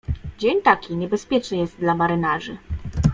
"Dzień taki niebezpieczny jest dla marynarzy."